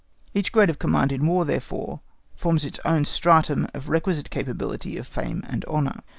Each grade of command in War therefore forms its own stratum of requisite capacity of fame and honour.